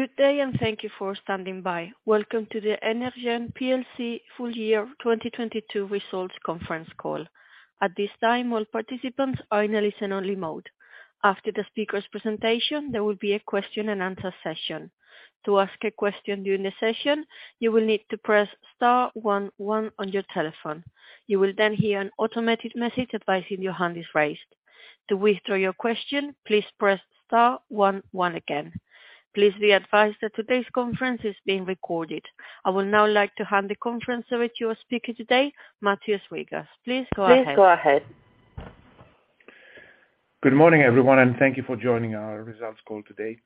Good day, and thank you for standing by. Welcome to the Energean PLC full year 2022 results conference call. At this time, all participants are in a listen-only mode. After the speaker's presentation, there will be a question and answer session. To ask a question during the session, you will need to press star one one on your telephone. You will then hear an automated message advising your hand is raised. To withdraw your question, please press star one one again. Please be advised that today's conference is being recorded. I would now like to hand the conference over to your speaker today, Mathios Rigas. Please go ahead. Good morning, everyone, and thank you for joining our results call today.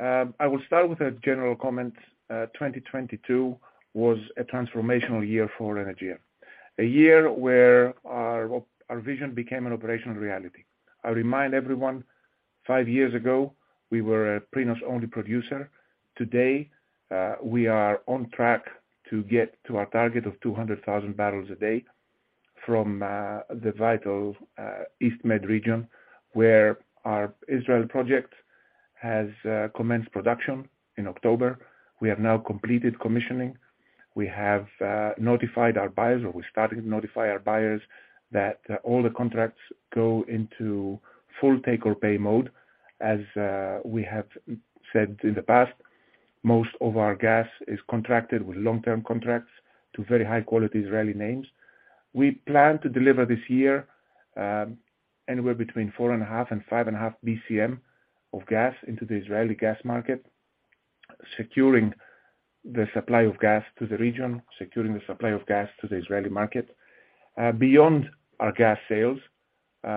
I will start with a general comment. 2022 was a transformational year for Energean. A year where our vision became an operational reality. I remind everyone, five years ago, we were a Prinos only producer. Today, we are on track to get to our target of 200,000 bbl a day from the vital EastMed region, where our Israel project has commenced production in October. We have now completed commissioning. We have notified our buyers, or we started to notify our buyers, that all the contracts go into full take or pay mode. As we have said in the past, most of our gas is contracted with long-term contracts to very high-quality Israeli names. We plan to deliver this year, anywhere between 4.5 and 5.5 BCM of gas into the Israeli gas market, securing the supply of gas to the region, securing the supply of gas to the Israeli market. Beyond our gas sales,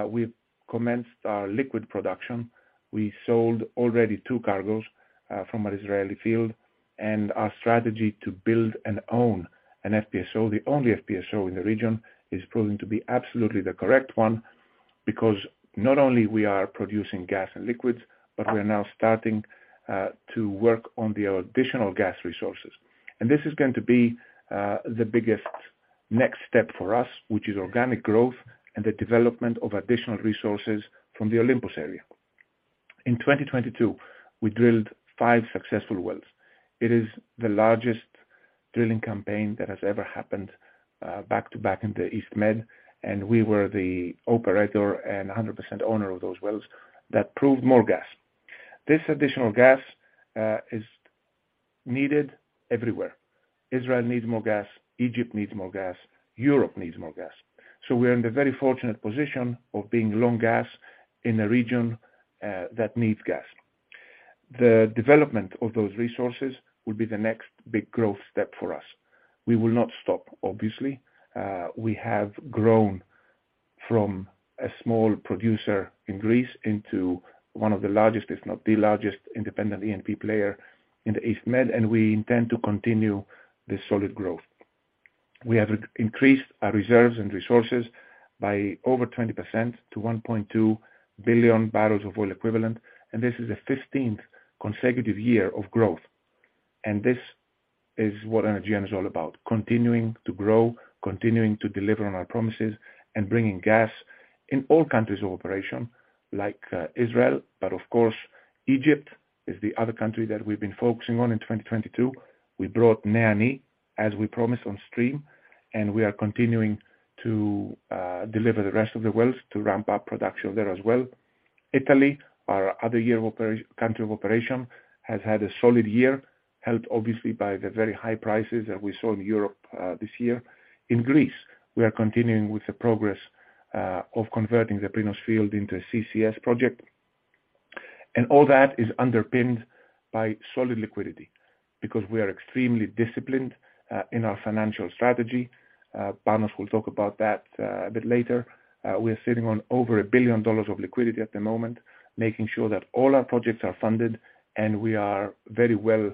we've commenced our liquid production. We sold already two cargos from our Israeli field, and our strategy to build and own an FPSO, the only FPSO in the region, is proving to be absolutely the correct one, because not only we are producing gas and liquids, but we are now starting to work on the additional gas resources. This is going to be the biggest next step for us, which is organic growth and the development of additional resources from the Olympus area. In 2022, we drilled five successful wells. It is the largest drilling campaign that has ever happened, back-to-back in the EastMed, and we were the operator and 100% owner of those wells that proved more gas. This additional gas is needed everywhere. Israel needs more gas, Egypt needs more gas, Europe needs more gas. We are in the very fortunate position of being long gas in a region that needs gas. The development of those resources will be the next big growth step for us. We will not stop, obviously. We have grown from a small producer in Greece into one of the largest, if not the largest, independent E&P player in the EastMed, and we intend to continue this solid growth. We have increased our reserves and resources by over 20% to 1.2 billion bbl of oil equivalent. This is the 15th consecutive year of growth. This is what Energean is all about, continuing to grow, continuing to deliver on our promises, and bringing gas in all countries of operation, like Israel, but of course, Egypt is the other country that we've been focusing on in 2022. We brought NEA/NI as we promised on stream. We are continuing to deliver the rest of the wells to ramp up production there as well. Italy, our country of operation, has had a solid year, helped obviously by the very high prices that we saw in Europe this year. In Greece, we are continuing with the progress of converting the Prinos field into a CCS project. All that is underpinned by solid liquidity because we are extremely disciplined in our financial strategy. Panos will talk about that a bit later. We are sitting on over $1 billion of liquidity at the moment, making sure that all our projects are funded, and we are very well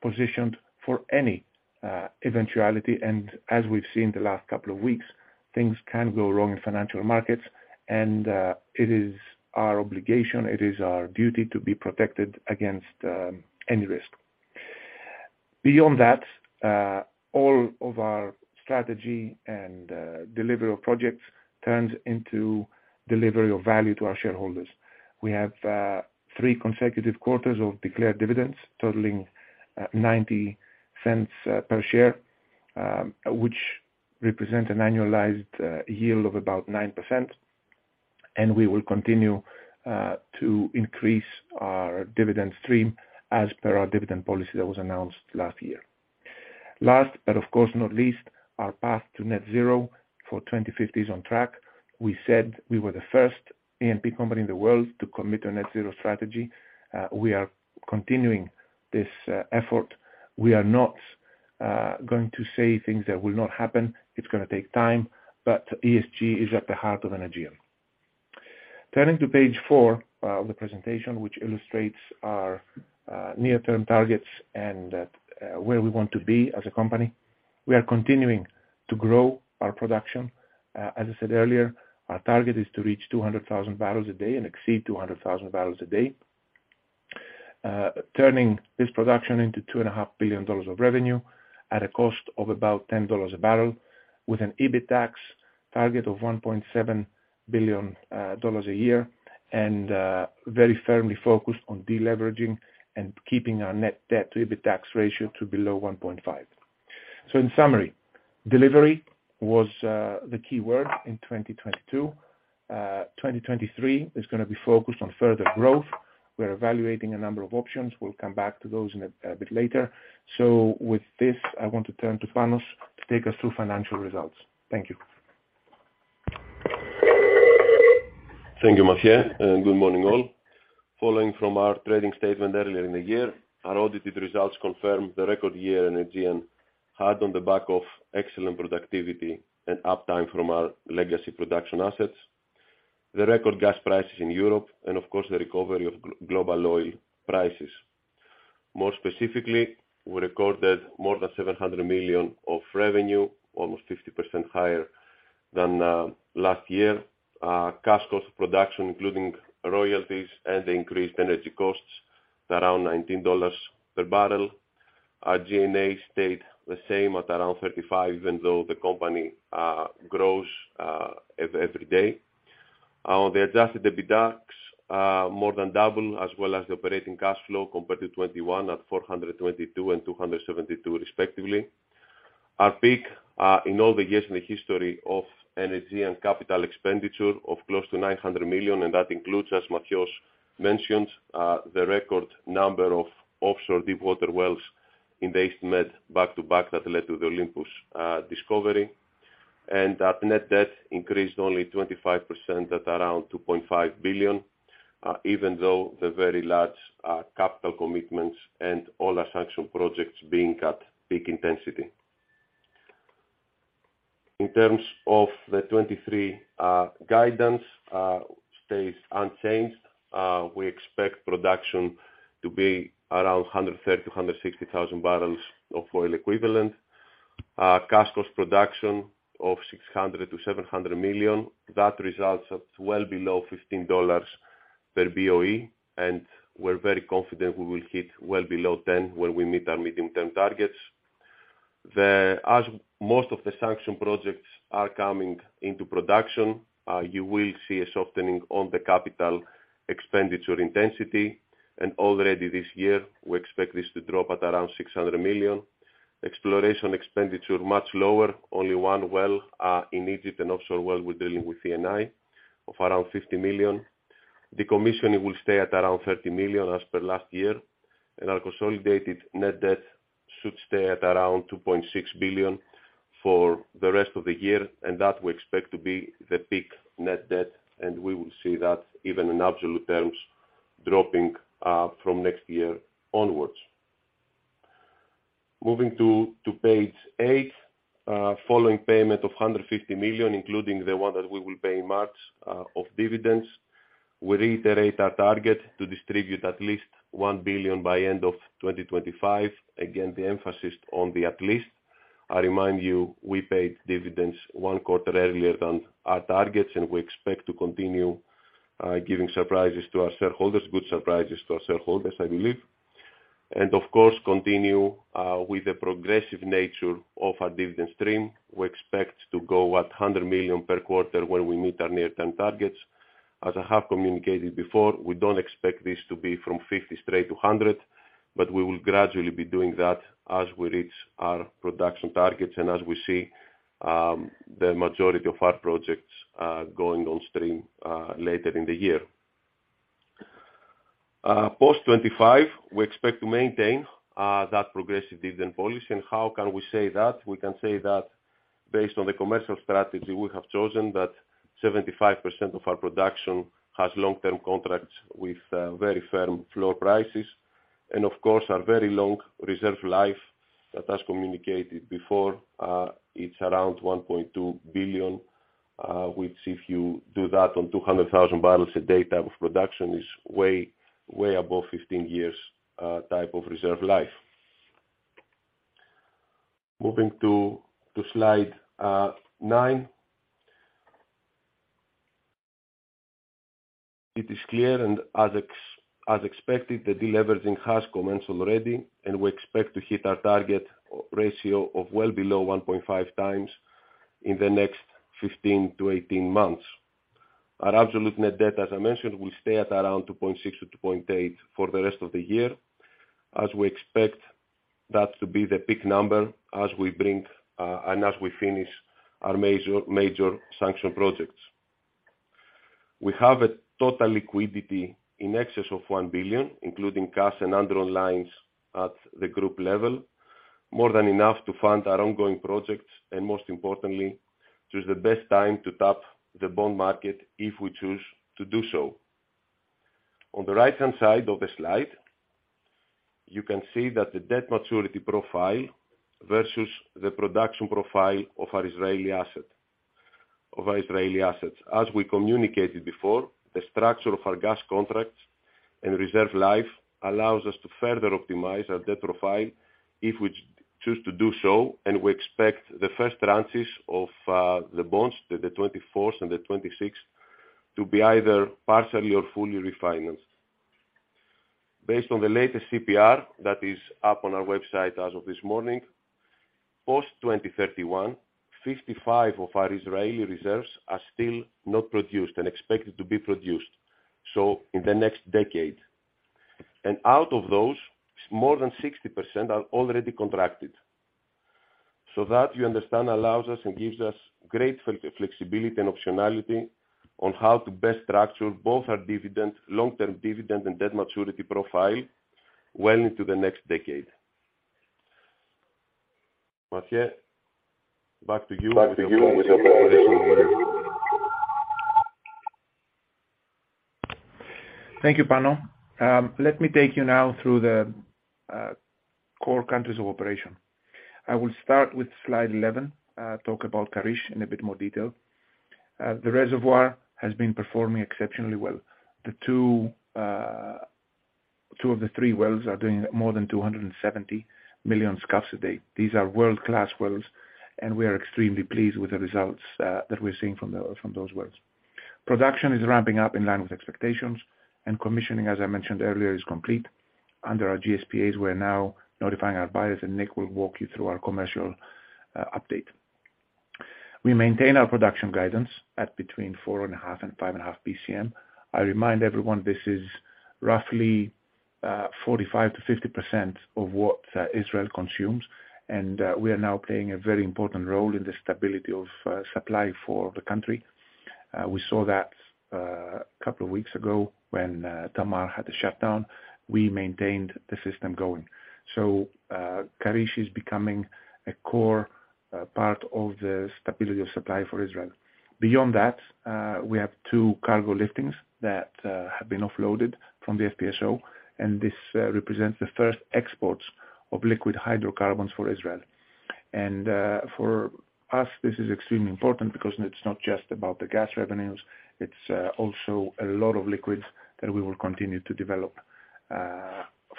positioned for any eventuality. As we've seen the last couple of weeks, things can go wrong in financial markets and it is our obligation, it is our duty to be protected against any risk. Beyond that, all of our strategy and delivery of projects turns into delivery of value to our shareholders. We have three consecutive quarters of declared dividends totaling $0.90 per share, which represent an annualized yield of about 9%. We will continue to increase our dividend stream as per our dividend policy that was announced last year. Last, but of course not least, our path to net zero for 2050 is on track. We said we were the first E&P company in the world to commit to a net zero strategy. We are continuing this effort. We are not going to say things that will not happen. It's gonna take time, but ESG is at the heart of Energean. Turning to page four of the presentation, which illustrates our near-term targets and where we want to be as a company. We are continuing to grow our production. As I said earlier, our target is to reach 200,000 bbl a day and exceed 200,000 bbl a day. Turning this production into $2.5 billion of revenue at a cost of about $10 a barrel with an EBITDAX target of $1.7 billion a year, and very firmly focused on deleveraging and keeping our net debt to EBITDAX ratio to below 1.5. In summary, delivery was the key word in 2022. 2023 is gonna be focused on further growth. We're evaluating a number of options. We'll come back to those in a bit later. With this, I want to turn to Panos to take us through financial results. Thank you. Thank you, Mathios, and good morning all. Following from our trading statement earlier in the year, our audited results confirm the record year in Egypt had on the back of excellent productivity and uptime from our legacy production assets. The record gas prices in Europe, and of course, the recovery of global oil prices. More specifically, we recorded more than $700 million of revenue, almost 50% higher than last year. Cash cost of production, including royalties and increased energy costs, around $19 per barrel. Our G&A stayed the same at around $35, even though the company grows every day. The adjusted EBITDAXs more than double, as well as the operating cash flow compared to 2021 at $422 million and $272 million respectively. Our peak in all the years in the history of Energean capital expenditure of close to $900 million, and that includes, as Mathios's mentioned, the record number of offshore deep water wells in the EastMed back-to-back that led to the Olympus discovery. Our net debt increased only 25% at around $2.5 billion, even though the very large capital commitments and all our sanction projects being at peak intensity. In terms of the 2023 guidance stays unchanged. We expect production to be around 130,000 bbl-160,000 bbl of oil equivalent. Cash cost production of $600 million-$700 million. That results at well below $15 per BOE, and we're very confident we will hit well below $10 when we meet our medium-term targets. As most of the sanction projects are coming into production, you will see a softening on the capital expenditure intensity. Already this year, we expect this to drop at around $600 million. Exploration expenditure much lower, only one well in Egypt, an offshore well we're dealing with CNI of around $50 million. Decommissioning will stay at around $30 million as per last year. Our consolidated net debt should stay at around $2.6 billion for the rest of the year, that we expect to be the peak net debt, we will see that even in absolute terms, dropping from next year onwards. Moving to page eight, following payment of $150 million, including the one that we will pay in March, of dividends, we reiterate our target to distribute at least $1 billion by end of 2025. Again, the emphasis on the at least. I remind you, we paid dividends one quarter earlier than our targets. We expect to continue giving surprises to our shareholders, good surprises to our shareholders, I believe. Of course, continue with the progressive nature of our dividend stream. We expect to go at $100 million per quarter when we meet our near-term targets. As I have communicated before, we don't expect this to be from $50 straight to $100. We will gradually be doing that as we reach our production targets and as we see the majority of our projects going on stream later in the year. Post 2025, we expect to maintain that progressive dividend policy. How can we say that? We can say that based on the commercial strategy we have chosen, that 75% of our production has long-term contracts with very firm floor prices. Of course, our very long reserve life that I've communicated before, it's around 1.2 billion, which if you do that on 200,000 bbl a day type of production, is way above 15 years type of reserve life. Moving to slide nine. It is clear, as expected, the deleveraging has commenced already. We expect to hit our target ratio of well below 1.5x in the next 15-18 months. Our absolute net debt, as I mentioned, will stay at around $2.6 billion-$2.8 billion for the rest of the year, as we expect that to be the peak number as we bring and as we finish our major sanction projects. We have a total liquidity in excess of $1 billion, including cash and undrawn lines at the group level, more than enough to fund our ongoing projects, and most importantly, choose the best time to tap the bond market if we choose to do so. On the right-hand side of the slide, you can see that the debt maturity profile versus the production profile of our Israeli assets. As we communicated before, the structure of our gas contracts and reserve life allows us to further optimize our debt profile if we choose to do so, and we expect the first tranches of the bonds, the 24ths and the 26ths, to be either partially or fully refinanced. Based on the latest CPR that is up on our website as of this morning, post 2031, 55 of our Israeli reserves are still not produced and expected to be produced, so in the next decade. Out of those, more than 60% are already contracted. That you understand allows us and gives us great flexibility and optionality on how to best structure both our dividend, long-term dividend and debt maturity profile well into the next decade. Mathios, back to you with the. Thank you, Panos. Let me take you now through the core countries of operation. I will start with slide 11, talk about Karish in a bit more detail. The reservoir has been performing exceptionally well. Two of the three wells are doing more than 270 million scf a day. These are world-class wells, and we are extremely pleased with the results that we're seeing from those wells. Production is ramping up in line with expectations, and commissioning, as I mentioned earlier, is complete. Under our GSPAs, we're now notifying our buyers, and Nick will walk you through our commercial update. We maintain our production guidance at between 4.5 and 5.5 BCM. I remind everyone this is roughly, 45%-50% of what Israel consumes, and we are now playing a very important role in the stability of supply for the country. We saw that a couple of weeks ago when Tamar had a shutdown. We maintained the system going. Karish is becoming a core part of the stability of supply for Israel. Beyond that, we have two cargo liftings that have been offloaded from the FPSO, and this represents the first exports of liquid hydrocarbons for Israel. For us, this is extremely important because it's not just about the gas revenues, it's also a lot of liquids that we will continue to develop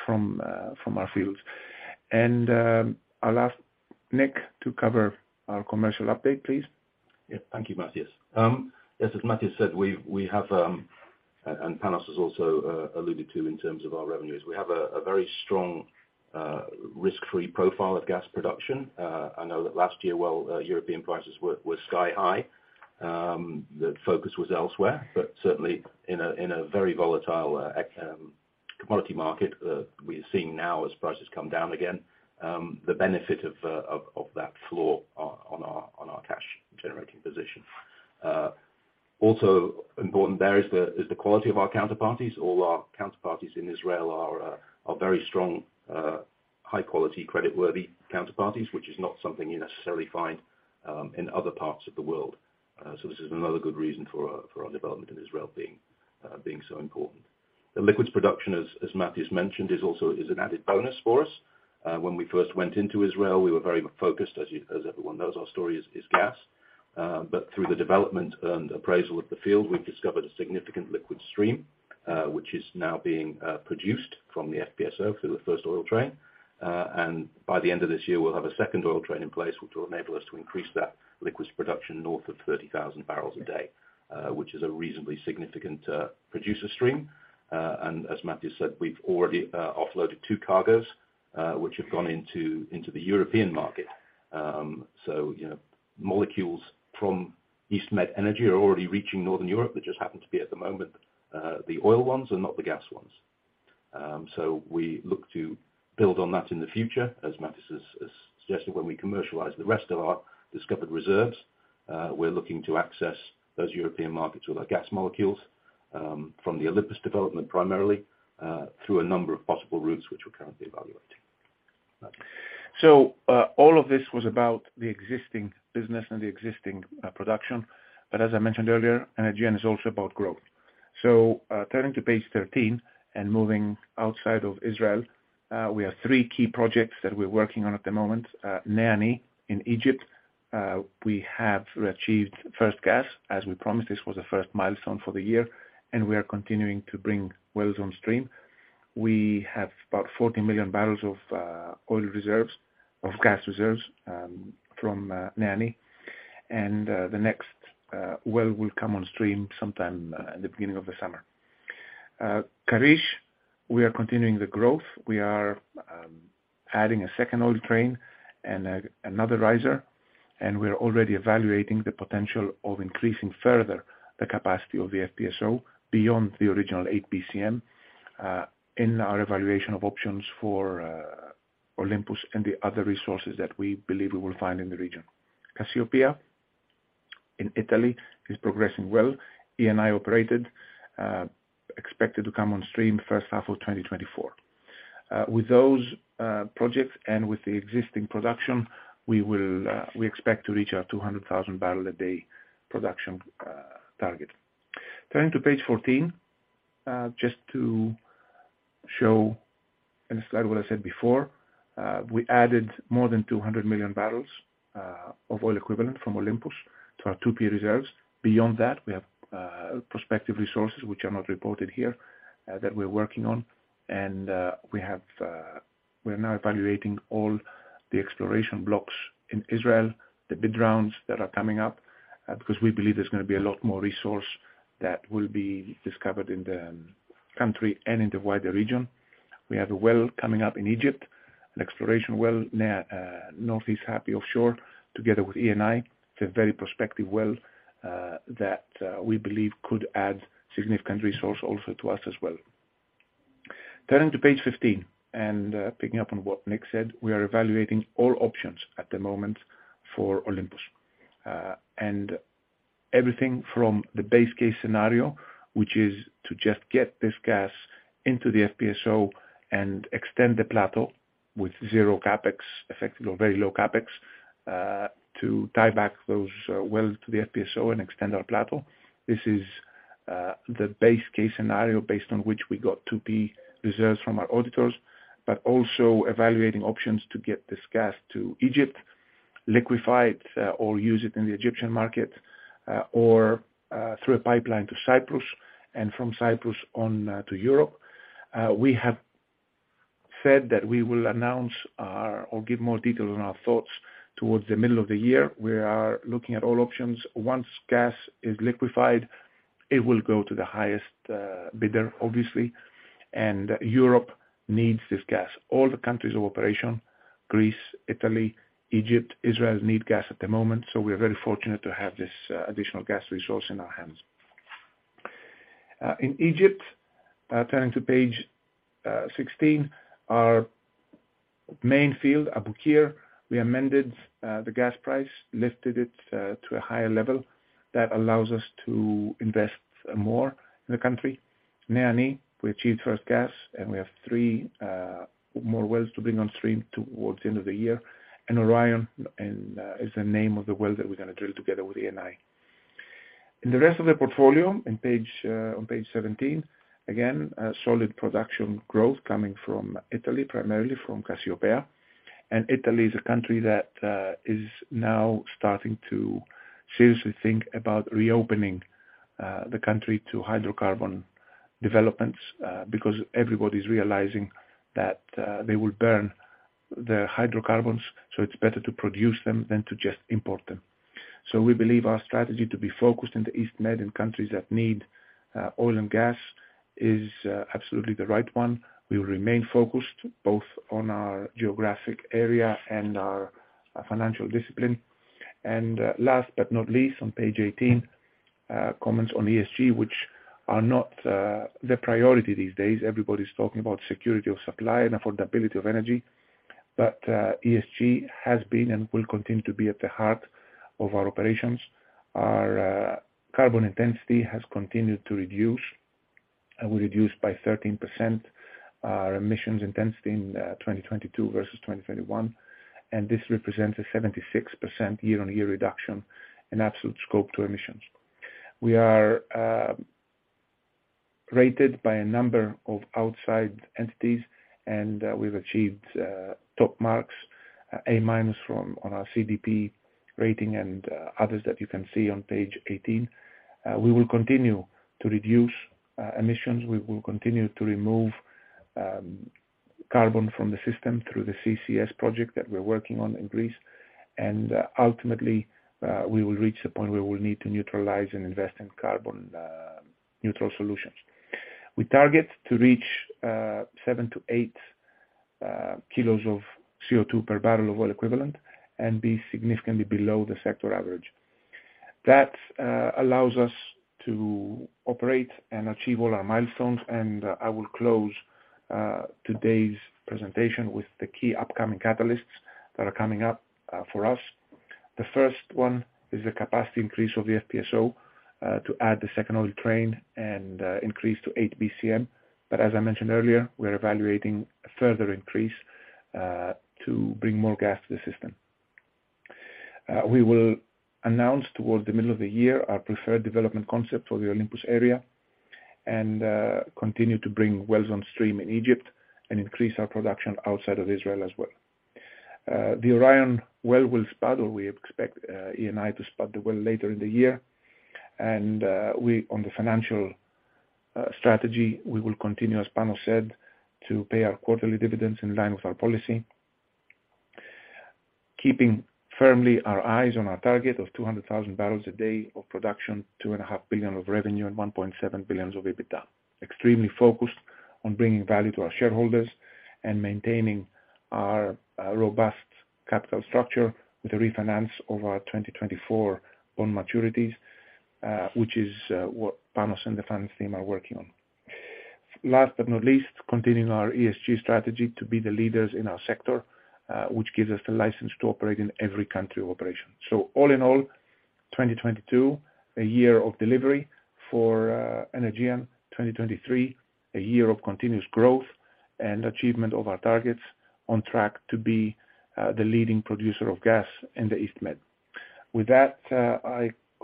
from our fields. I'll ask Nick to cover our commercial update, please. Yeah. Thank you, Mathios. Yes, as Mathios said, we have and Panos has also alluded to in terms of our revenues. We have a very strong, risk-free profile of gas production. I know that last year, well, European prices were sky high, the focus was elsewhere. Certainly in a very volatile commodity market, we are seeing now as prices come down again, the benefit of that floor on our cash generating position. Also important there is the quality of our counterparties. All our counterparties in Israel are very strong, high quality credit worthy counterparties, which is not something you necessarily find in other parts of the world. This is another good reason for our development in Israel being so important. The liquids production, as Mathios mentioned, is an added bonus for us. When we first went into Israel, we were very focused, as everyone knows, our story is gas. Through the development and appraisal of the field, we've discovered a significant liquid stream, which is now being produced from the FPSO through the first oil train. By the end of this year, we'll have a second oil train in place, which will enable us to increase that liquids production north of 30,000 bbl a day, which is a reasonably significant producer stream. As Mathios said, we've already offloaded two cargoes, which have gone into the European market. You know, molecules from EastMed Energy are already reaching Northern Europe. They just happen to be, at the moment, the oil ones and not the gas ones. We look to build on that in the future, as Mathios has suggested, when we commercialize the rest of our discovered reserves. We're looking to access those European markets with our gas molecules, from the Olympus development primarily, through a number of possible routes which we're currently evaluating. All of this was about the existing business and the existing production. As I mentioned earlier, Energean is also about growth. Turning to page 13 and moving outside of Israel, we have three key projects that we're working on at the moment. NEA/NI in Egypt, we have achieved first gas, as we promised, this was the first milestone for the year, and we are continuing to bring wells on stream. We have about 40 million bbl of gas reserves from NEA/NI, and the next well will come on stream sometime in the beginning of the summer. Karish, we are continuing the growth. We are adding a second oil train and another riser, and we're already evaluating the potential of increasing further the capacity of the FPSO beyond the original 8 BCM in our evaluation of options for Olympus and the other resources that we believe we will find in the region. Cassiopea in Italy is progressing well, Eni operated, expected to come on stream first half of 2024. With those projects and with the existing production, we expect to reach our 200,000 bbl a day production target. Turning to page 14, just to show in a slide what I said before, we added more than 200 million bbl of oil equivalent from Olympus to our 2P reserves. Beyond that, we have prospective resources which are not reported here that we're working on. We are now evaluating all the exploration blocks in Israel, the bid rounds that are coming up, because we believe there's gonna be a lot more resource that will be discovered in the country and in the wider region. We have a well coming up in Egypt, an exploration well near North East Hap'y offshore together with Eni. It's a very prospective well that we believe could add significant resource also to us as well. Turning to page 15, picking up on what Nick said, we are evaluating all options at the moment for Olympus. Everything from the base case scenario, which is to just get this gas into the FPSO and extend the plateau with zero CapEx effective or very low CapEx, to tie back those well to the FPSO and extend our plateau. This is the base case scenario based on which we got 2P reserves from our auditors, but also evaluating options to get this gas to Egypt, liquefy it, or use it in the Egyptian market, or through a pipeline to Cyprus and from Cyprus on to Europe. We have said that we will announce or give more details on our thoughts towards the middle of the year. We are looking at all options. Once gas is liquefied, it will go to the highest bidder, obviously. Europe needs this gas. All the countries of operation, Greece, Italy, Egypt, Israel need gas at the moment, so we are very fortunate to have this additional gas resource in our hands. In Egypt, turning to page 16, our main field, Abu Qir, we amended the gas price, lifted it to a higher level that allows us to invest more in the country. NEA/NI, we achieved first gas, and we have three more wells to bring on stream towards the end of the year. Orion is the name of the well that we're gonna drill together with Eni. In the rest of the portfolio in page on page 17, again, a solid production growth coming from Italy, primarily from Cassiopea. Italy is a country that is now starting to seriously think about reopening the country to hydrocarbon developments because everybody's realizing that they will burn the hydrocarbons, so it's better to produce them than to just import them. We believe our strategy to be focused in the EastMed and countries that need oil and gas is absolutely the right one. We will remain focused both on our geographic area and our financial discipline. Last but not least, on page 18, comments on ESG, which are not the priority these days. Everybody's talking about security of supply and affordability of energy. ESG has been and will continue to be at the heart of our operations. Our carbon intensity has continued to reduce, and we reduced by 13% our emissions intensity in 2022 versus 2021, and this represents a 76% year-on-year reduction in absolute scope two emissions. We are rated by a number of outside entities, we've achieved top marks, A- from on our CDP rating and others that you can see on page 18. We will continue to reduce emissions. We will continue to remove carbon from the system through the CCS project that we're working on in Greece. Ultimately, we will reach the point where we'll need to neutralize and invest in carbon neutral solutions. We target to reach 7kg-8kg of CO2 per barrel of oil equivalent and be significantly below the sector average. That allows us to operate and achieve all our milestones, I will close today's presentation with the key upcoming catalysts that are coming up for us. The first one is the capacity increase of the FPSO, to add the second oil train and increase to 8 BCM. As I mentioned earlier, we're evaluating a further increase to bring more gas to the system. We will announce towards the middle of the year our preferred development concept for the Olympus area, and continue to bring wells on stream in Egypt and increase our production outside of Israel as well. The Orion well will spud, or we expect Eni to spud the well later in the year. On the financial strategy, we will continue, as Panos said, to pay our quarterly dividends in line with our policy. Keeping firmly our eyes on our target of 200,000 bbl a day of production, $2.5 billion of revenue, and $1.7 billions of EBITDA. Extremely focused on bringing value to our shareholders and maintaining our robust capital structure with the refinance of our 2024 bond maturities, which is what Panos and the finance team are working on. Last but not least, continuing our ESG strategy to be the leaders in our sector, which gives us the license to operate in every country of operation. All in all, 2022, a year of delivery for Energean. 2023, a year of continuous growth and achievement of our targets on track to be the leading producer of gas in the East Med. With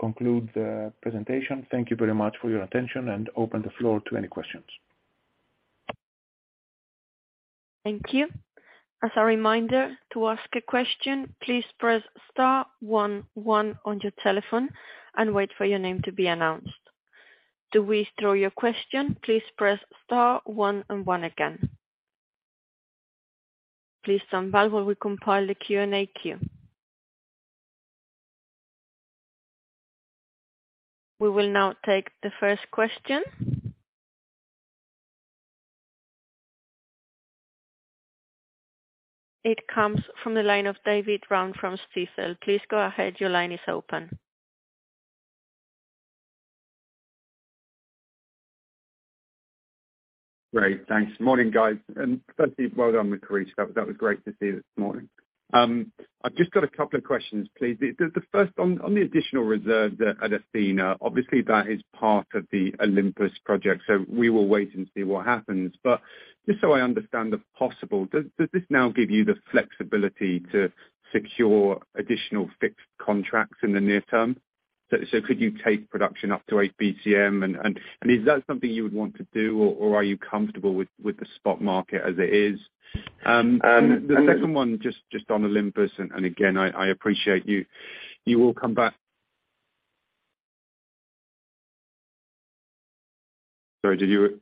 that, I conclude the presentation. Thank you very much for your attention and open the floor to any questions. Thank you. As a reminder, to ask a question, please press star one one on your telephone and wait for your name to be announced. To withdraw your question, please press star one and one again. Please stand by while we compile the Q&A queue. We will now take the first question. It comes from the line of David Round from Stifel. Please go ahead. Your line is open. Great. Thanks. Morning, guys. Firstly, well done with Karish. That was great to see this morning. I've just got a couple of questions, please. The first on the additional reserves at Athena, obviously that is part of the Olympus project, so we will wait and see what happens. Just so I understand the possible, does this now give you the flexibility to secure additional fixed contracts in the near term? Could you take production up to 8 BCM? Is that something you would want to do or are you comfortable with the spot market as it is? The second one, just on Olympus, and again, I appreciate you will come back... Sorry, did you...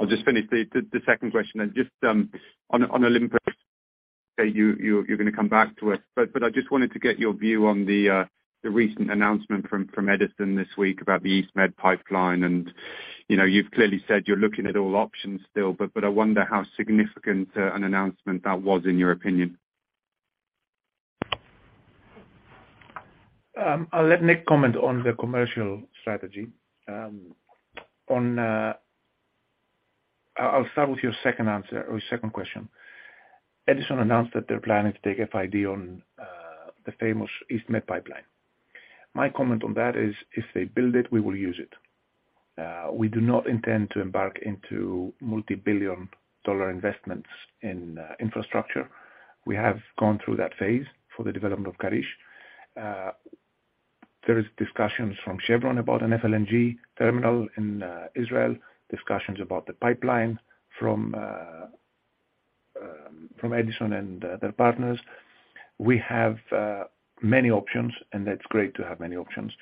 I'll just finish the second question. Just on Olympus, okay, you're gonna come back to it, but I just wanted to get your view on the recent announcement from Edison this week about the EastMed pipeline. You know, you've clearly said you're looking at all options still, but I wonder how significant an announcement that was in your opinion. I'll let Nick comment on the commercial strategy. I'll start with your second answer or second question. Edison announced that they're planning to take FID on the famous EastMed pipeline. My comment on that is, if they build it, we will use it. We do not intend to embark into multi-billion dollar investments in infrastructure. We have gone through that phase for the development of Karish. There is discussions from Chevron about an FLNG terminal in Israel, discussions about the pipeline from Edison and their partners. We have many options, and that's great to have many options.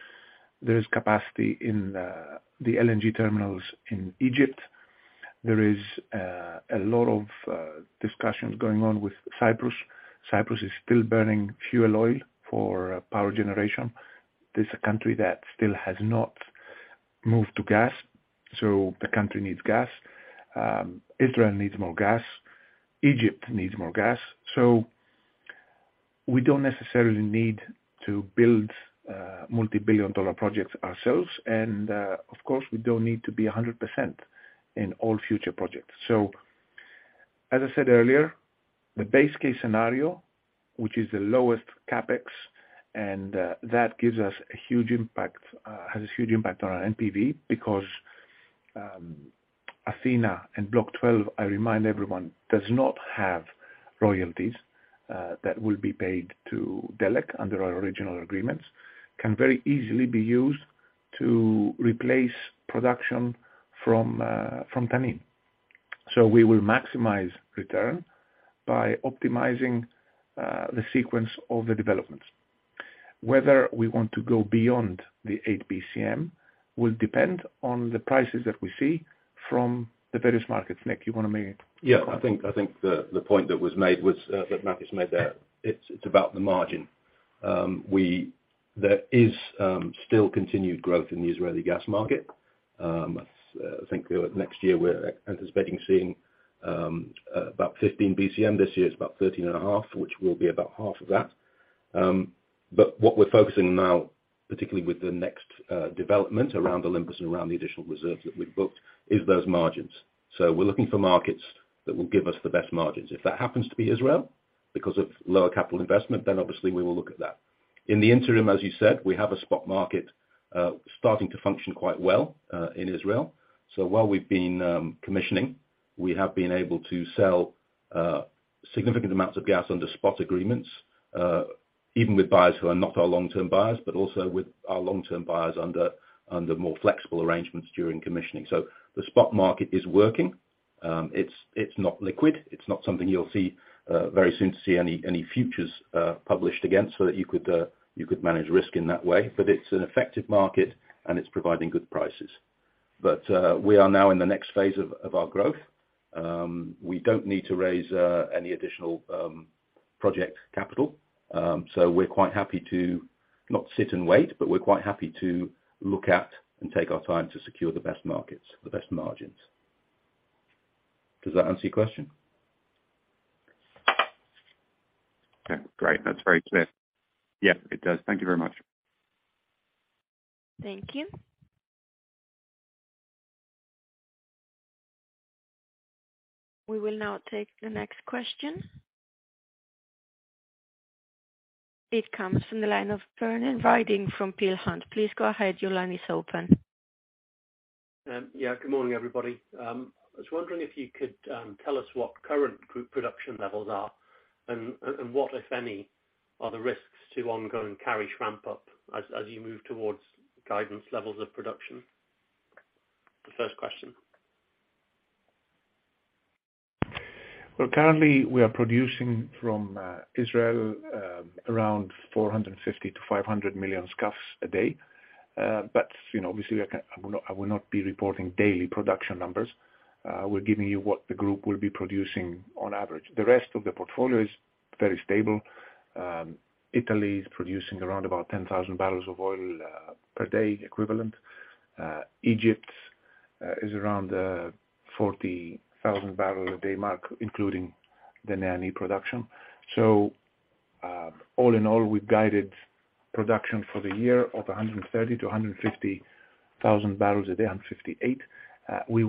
There is capacity in the LNG terminals in Egypt. There is a lot of discussions going on with Cyprus. Cyprus is still burning fuel oil for power generation. This is a country that still has not moved to gas. The country needs gas. Israel needs more gas. Egypt needs more gas. We don't necessarily need to build multi-billion dollar projects ourselves. Of course, we don't need to be 100% in all future projects. As I said earlier, the base case scenario, which is the lowest CapEx, and that gives us a huge impact, has a huge impact on our NPV because Athena and Block 12, I remind everyone, does not have royalties that will be paid to Delek under our original agreements. Can very easily be used to replace production from Tanin. We will maximize return by optimizing the sequence of the developments. Whether we want to go beyond the 8 BCM will depend on the prices that we see from the various markets. Nick, you wanna make a comment? Yeah, I think the point that was made was that Karish made there, it's about the margin. There is still continued growth in the Israeli gas market. I think next year we're anticipating seeing about 15 BCM. This year it's about 13.5, which will be about half of that. What we're focusing now, particularly with the next development around Olympus and around the additional reserves that we've booked is those margins. We're looking for markets that will give us the best margins. If that happens to be Israel because of lower capital investment, then obviously we will look at that. In the interim, as you said, we have a spot market starting to function quite well in Israel. While we've been commissioning, we have been able to sell significant amounts of gas under spot agreements, even with buyers who are not our long-term buyers, but also with our long-term buyers under more flexible arrangements during commissioning. The spot market is working. It's not liquid. It's not something you'll see very soon to see any futures published against, so that you could manage risk in that way. It's an effective market and it's providing good prices. We are now in the next phase of our growth. We don't need to raise any additional project capital. We're quite happy to not sit and wait, but we're quite happy to look at and take our time to secure the best markets, the best margins. Does that answer your question? Okay, great. That's very clear. Yeah, it does. Thank you very much. Thank you. We will now take the next question. It comes from the line of Werner Riding from Peel Hunt. Please go ahead. Your line is open. Yeah, good morning, everybody. I was wondering if you could tell us what current group production levels are and what, if any, are the risks to ongoing Karish ramp up as you move towards guidance levels of production? The first question. Well, currently we are producing from Israel, around 450 million-500 million scf a day. You know, obviously I will not be reporting daily production numbers. We're giving you what the group will be producing on average. The rest of the portfolio is very stable. Italy is producing around about 10,000 bbl of oil per day equivalent. Egypt is around 40,000 bbl a day mark, including the NEA/NI production. All in all, we've guided production for the year of 130,000 bbl-150,000 bbl a day, and 58. We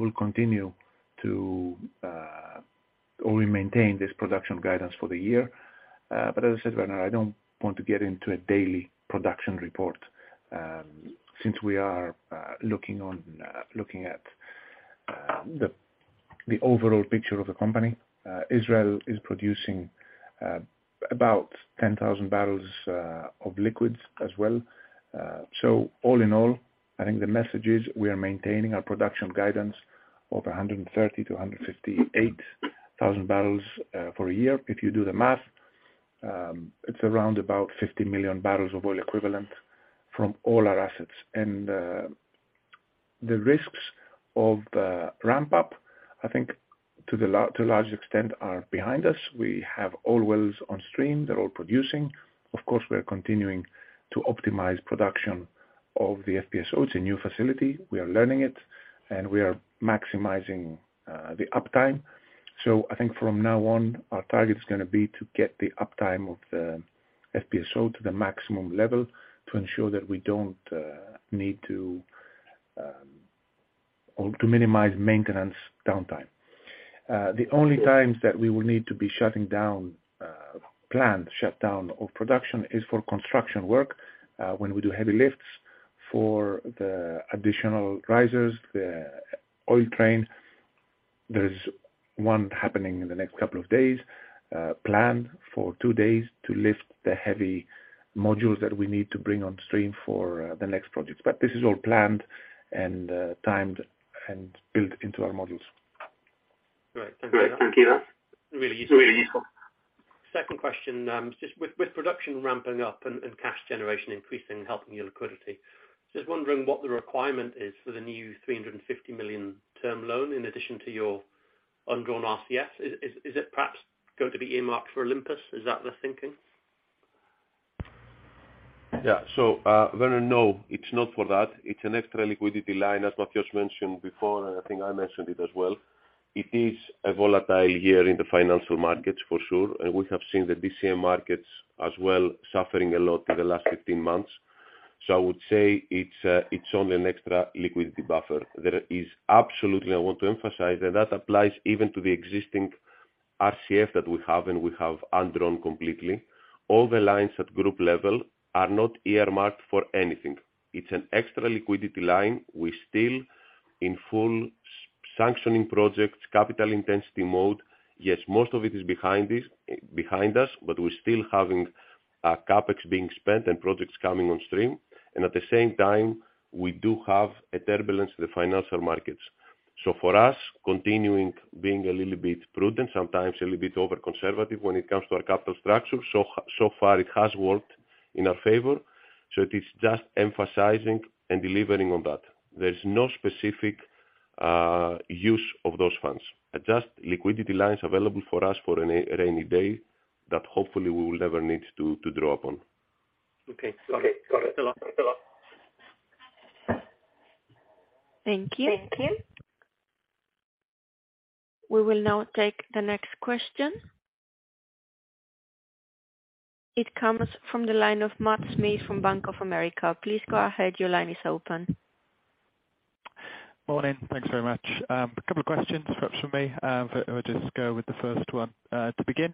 maintain this production guidance for the year. As I said, Werner, I don't want to get into a daily production report, since we are looking at the overall picture of the company. Israel is producing about 10,000 bbl of liquids as well. All in all, I think the message is we are maintaining our production guidance of 130,000 bbl-158,000 bbl for a year. If you do the math, it's around about 50 million bbl of oil equivalent from all our assets. The risks of the ramp up, I think to a large extent are behind us. We have all wells on stream. They're all producing. Of course, we are continuing to optimize production of the FPSO. It's a new facility. We are learning it, and we are maximizing the uptime. I think from now on, our target's gonna be to get the uptime of the FPSO to the maximum level to ensure that we don't need to, or to minimize maintenance downtime. The only times that we will need to be shutting down, planned shutdown of production is for construction work, when we do heavy lifts for the additional risers, the oil train. There's one happening in the next couple of days, planned for two days to lift the heavy modules that we need to bring on stream for the next projects. This is all planned and timed and built into our modules. Great. Thank you. That's really useful. Second question, just with production ramping up and cash generation increasing helping your liquidity, just wondering what the requirement is for the new $350 million term loan in addition to your undrawn RCF. Is it perhaps going to be earmarked for Olympus? Is that the thinking? No, it's not for that. It's an extra liquidity line, as Mathios mentioned before, and I think I mentioned it as well. It is a volatile year in the financial markets for sure, and we have seen the DCM markets as well suffering a lot in the last 15 months. I would say it's only an extra liquidity buffer. There is absolutely, I want to emphasize, and that applies even to the existing RCF that we have, and we have undrawn completely. All the lines at group level are not earmarked for anything. It's an extra liquidity line. We still in full sanctioning projects, capital intensity mode. Most of it is behind us, but we're still having a CapEx being spent and projects coming on stream. At the same time, we do have a turbulence in the financial markets. For us, continuing being a little bit prudent, sometimes a little bit over conservative when it comes to our capital structure, so far it has worked in our favor. It is just emphasizing and delivering on that. There's no specific use of those funds. Just liquidity lines available for us for a rainy day that hopefully we will never need to draw upon. Okay. Got it. Thank you so much. Thank you. We will now take the next question. It comes from the line of Matt Smith from Bank of America. Please go ahead. Your line is open. Morning. Thanks very much. A couple of questions, perhaps from me. I'll just go with the first one to begin.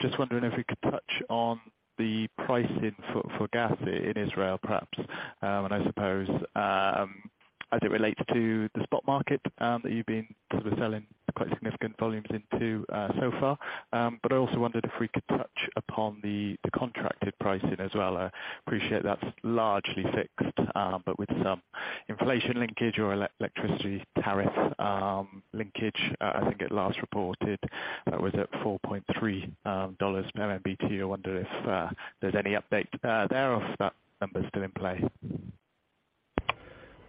Just wondering if we could touch on the pricing for gas in Israel, perhaps, and I suppose as it relates to the stock market that you've been sort of selling quite significant volumes into so far. I also wondered if we could touch upon the contracted pricing as well. Appreciate that's largely fixed, but with some inflation linkage or electricity tariff linkage. I think it last reported that was at $4.3 per MMBtu. I wonder if there's any update there or if that number's still in play.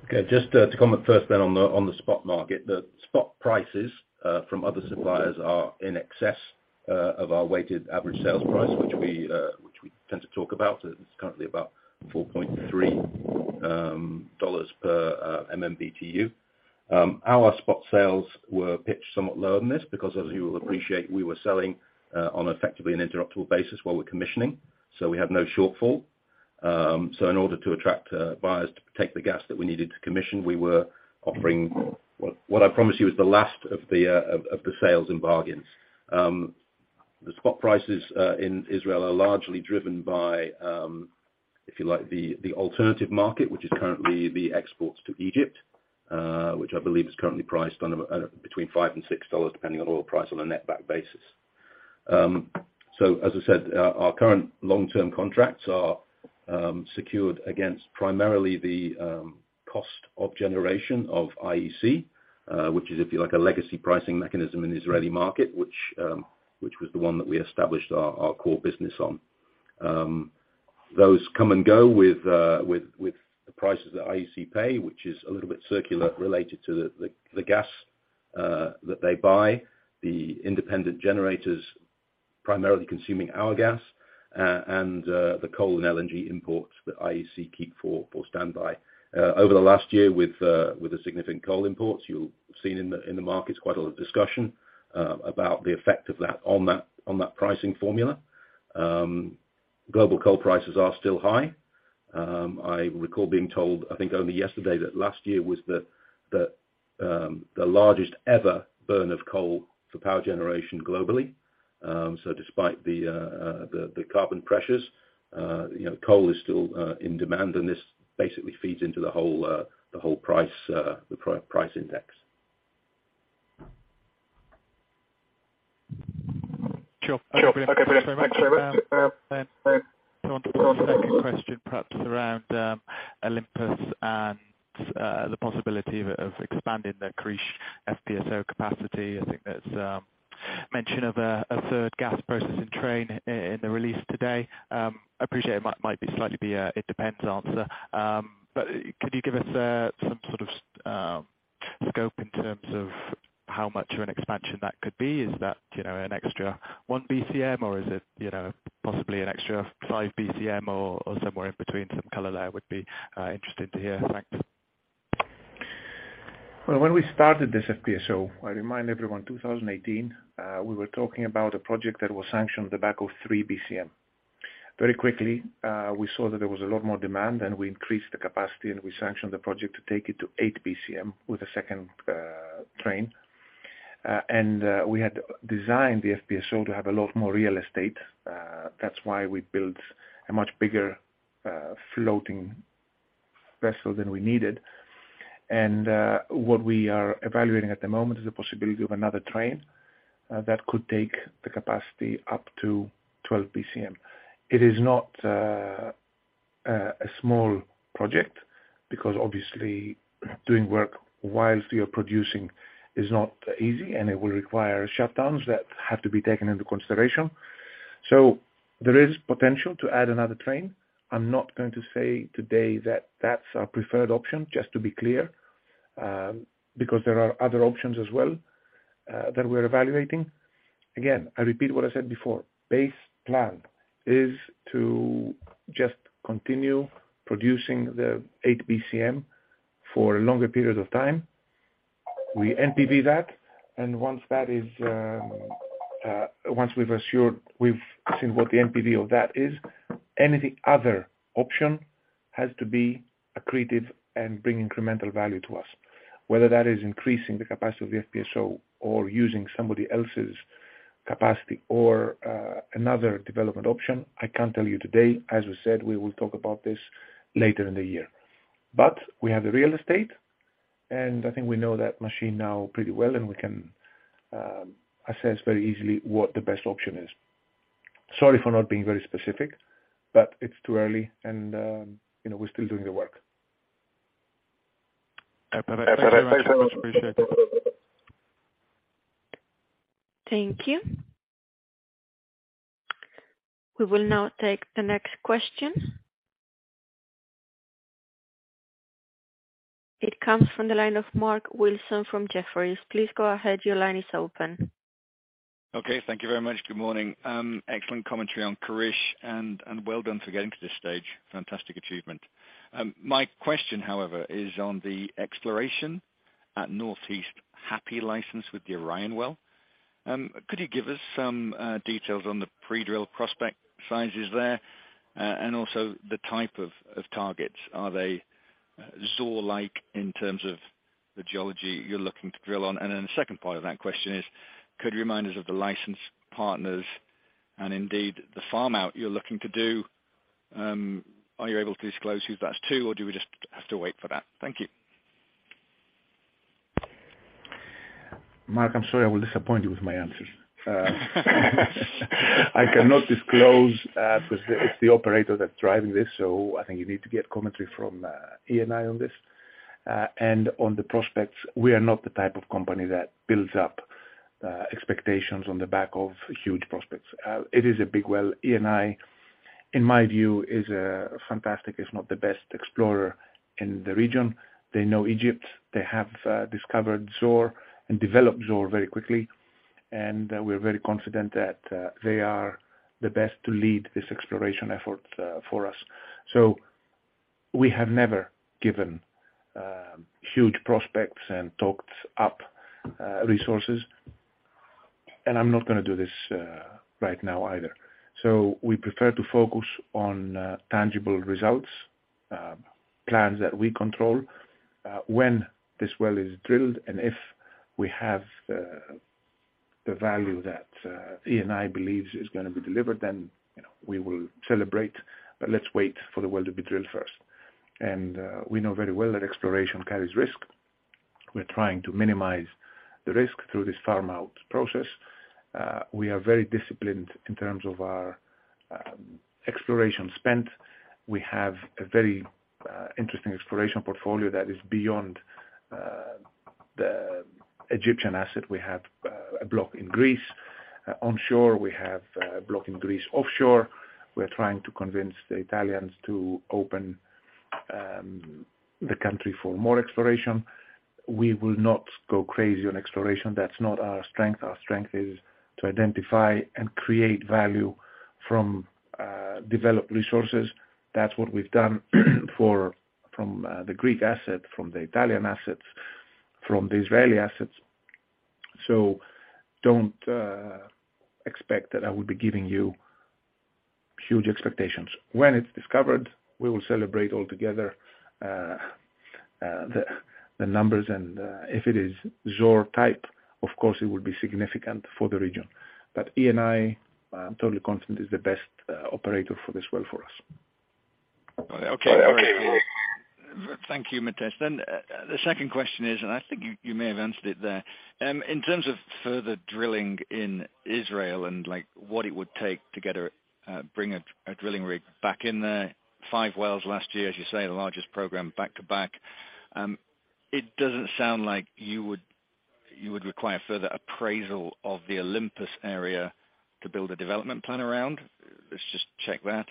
Okay. Just to comment first then on the spot market. The spot prices from other suppliers are in excess of our weighted average sales price, which we tend to talk about. It's currently about $4.3 per MMBtu. Our spot sales were pitched somewhat lower than this because as you will appreciate, we were selling on effectively an interruptible basis while we're commissioning, so we have no shortfall. In order to attract buyers to take the gas that we needed to commission, we were offering what I promise you is the last of the sales and bargains. The spot prices in Israel are largely driven by, if you like, the alternative market, which is currently the exports to Egypt, which I believe is currently priced on a between $5 and $6, depending on oil price on a net back basis. As I said, our current long-term contracts are secured against primarily the cost of generation of IEC, which is if you like a legacy pricing mechanism in the Israeli market, which was the one that we established our core business on. Those come and go with the prices that IEC pay, which is a little bit circular related to the gas that they buy, the independent generators primarily consuming our gas, and the coal and LNG imports that IEC keep for standby. Over the last year with the significant coal imports, you'll have seen in the markets, quite a lot of discussion about the effect of that on that pricing formula. Global coal prices are still high. I recall being told, I think only yesterday that last year was the largest ever burn of coal for power generation globally. Despite the carbon pressures, you know, coal is still in demand, and this basically feeds into the whole price index. Sure. Okay. Thanks very much. If you want to put the second question perhaps around Olympus and the possibility of expanding the Karish FPSO capacity. I think that's mention of a third gas processing train in the release today. Appreciate it might be slightly a, it depends answer. Could you give us some sort of scope in terms of how much of an expansion that could be? Is that, you know, an extra 1 BCM, or is it, you know, possibly an extra 5 BCM or somewhere in between? Some color there would be interesting to hear. Thanks. Well, when we started this FPSO, I remind everyone, 2018, we were talking about a project that was sanctioned the back of 3 BCM. Very quickly, we saw that there was a lot more demand, and we increased the capacity, and we sanctioned the project to take it to 8 BCM with a second train. We had designed the FPSO to have a lot more real estate. That's why we built a much bigger floating vessel than we needed. What we are evaluating at the moment is the possibility of another train that could take the capacity up to 12 BCM. It is not a small project because obviously doing work whilst you're producing is not easy, and it will require shutdowns that have to be taken into consideration. There is potential to add another train. I'm not going to say today that that's our preferred option, just to be clear, because there are other options as well that we're evaluating. Again, I repeat what I said before. Base plan is to just continue producing the 8 BCM for a longer period of time. We NPV that, and once we've assured we've seen what the NPV of that is, any other option has to be accretive and bring incremental value to us. Whether that is increasing the capacity of the FPSO or using somebody else's capacity or another development option, I can't tell you today. As we said, we will talk about this later in the year. We have the real estate, and I think we know that machine now pretty well, and we can assess very easily what the best option is. Sorry for not being very specific, it's too early and, you know, we're still doing the work. Thank you very much. Appreciate it. Thank you. We will now take the next question. It comes from the line of Mark Wilson from Jefferies. Please go ahead. Your line is open. Okay. Thank you very much. Good morning. Excellent commentary on Karish and well done for getting to this stage. Fantastic achievement. My question, however, is on the exploration at North East Hap'y License with the Orion well. Could you give us some details on the pre-drill prospect sizes there and also the type of targets? Are they Zohr-like in terms of the geology you're looking to drill on? The second part of that question is, could you remind us of the license partners and indeed the farm out you're looking to do? Are you able to disclose who that's to, or do we just have to wait for that? Thank you. Mark, I'm sorry. I will disappoint you with my answers. I cannot disclose, 'cause it's the operator that's driving this, so I think you need to get commentary from Eni on this. On the prospects, we are not the type of company that builds up expectations on the back of huge prospects. It is a big well. Eni, in my view, is a fantastic, if not the best explorer in the region. They know Egypt. They have discovered Zohr and developed Zohr very quickly, and we're very confident that they are the best to lead this exploration effort for us. We have never given huge prospects and talked up resources, and I'm not gonna do this right now either. We prefer to focus on tangible results, plans that we control. When this well is drilled and if we have the value that Eni believes is gonna be delivered, then, you know, we will celebrate. Let's wait for the well to be drilled first. We know very well that exploration carries risk. We're trying to minimize the risk through this farm-out process. We are very disciplined in terms of our exploration spend. We have a very interesting exploration portfolio that is beyond the Egyptian asset. We have a block in Greece. Onshore, we have a block in Greece offshore. We're trying to convince the Italians to open the country for more exploration. We will not go crazy on exploration. That's not our strength. Our strength is to identify and create value from developed resources. That's what we've done from the Greek asset, from the Italian assets, from the Israeli assets. Don't expect that I will be giving you huge expectations. When it's discovered, we will celebrate all together the numbers. If it is Zohr type, of course it will be significant for the region. Eni, I'm totally confident, is the best operator for this well for us. Okay. Thank you, Mathios. The second question is, I think you may have answered it there. In terms of further drilling in Israel and, like, what it would take to bring a drilling rig back in there. Five wells last year, as you say, the largest program back to back. It doesn't sound like you would require further appraisal of the Olympus area to build a development plan around. Let's just check that.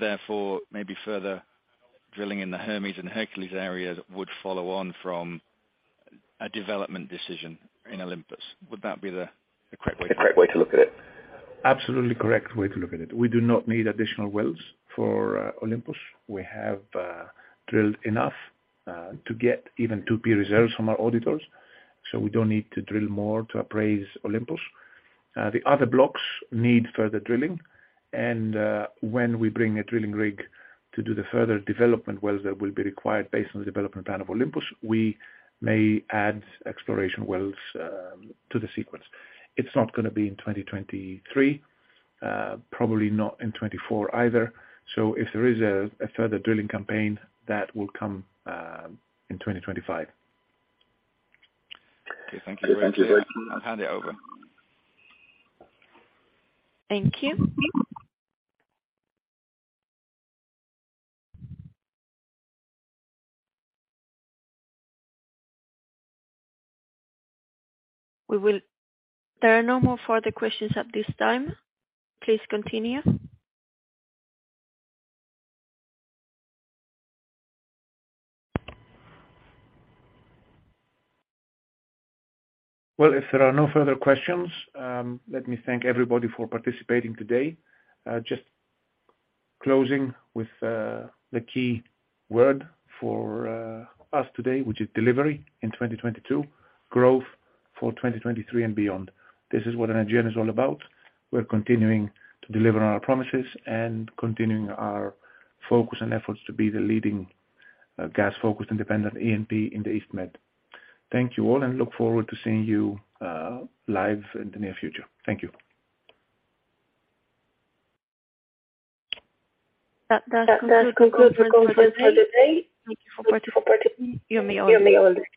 Therefore maybe further drilling in the Hermes and Hercules areas would follow on from a development decision in Olympus. Would that be the correct way to look at it? Absolutely correct way to look at it. We do not need additional wells for Olympus. We have drilled enough to get even 2P reserves from our auditors, so we don't need to drill more to appraise Olympus. The other blocks need further drilling. When we bring a drilling rig to do the further development wells that will be required based on the development plan of Olympus, we may add exploration wells to the sequence. It's not gonna be in 2023. Probably not in 2024 either. If there is a further drilling campaign, that will come in 2025. Okay. Thank you. I'll hand it over. Thank you. There are no more further questions at this time. Please continue. If there are no further questions, let me thank everybody for participating today. Just closing with the key word for us today, which is delivery in 2022, growth for 2023 and beyond. This is what an Energean is all about. We're continuing to deliver on our promises and continuing our focus and efforts to be the leading gas-focused independent E&P in the EastMed. Thank you all, and look forward to seeing you live in the near future. Thank you. That does conclude the conference for today. Thank you for participating. You may all disconnect.